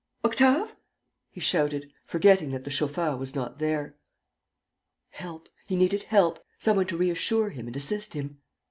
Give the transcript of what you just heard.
Octave?" he shouted, forgetting that the chauffeur was not there. Help, he needed help, some one to reassure him and assist him.